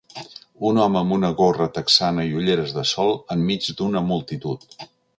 Un home amb una gorra texana i ulleres de sol en mig d'una multitud.